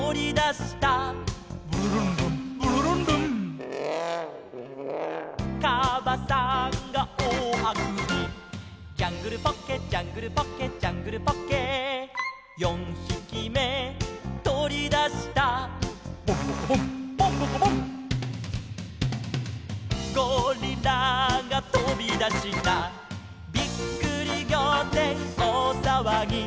「ブルルンルンブルルンルン」「かばさんがおおあくび」「ジャングルポッケジャングルポッケ」「ジャングルポッケ」「四ひきめとり出した」「ボンボコボンボンボコボン」「ゴリラがとび出した」「びっくりぎょうてんおおさわぎ」